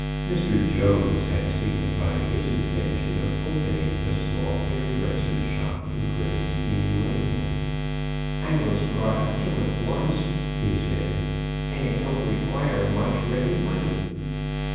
Mr. Jones had signified his intention of opening a small hairdresser's shop in Gray's Inn Lane. "I was brought up to it once," he said, "and it don't require much ready money."